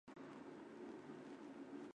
所有文字下方均有英文翻译。